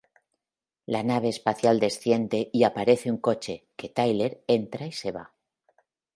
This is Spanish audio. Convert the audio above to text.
La nave espacial desciende y aparece un coche, que Tyler entra y se va.